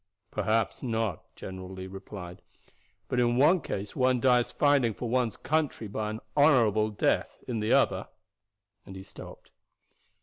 "Perhaps not," General Lee replied; "but in one case one dies fighting for one's country by an honorable death, in the other " and he stopped.